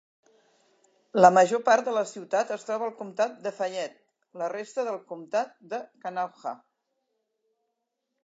La major part de la ciutat es troba al comtat de Fayette, i la resta al comtat de Kanawha.